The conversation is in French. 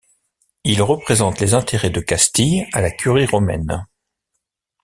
Il représente les intérêts de Castille à la Curie romaine.